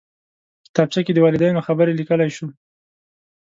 کتابچه کې د والدینو خبرې لیکلی شو